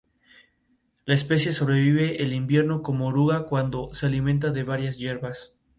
La especie sobrevive el invierno como oruga cuando se alimenta de varias hierbas.